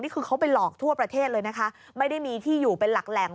นี่คือเขาไปหลอกทั่วประเทศเลยนะคะไม่ได้มีที่อยู่เป็นหลักแหล่ง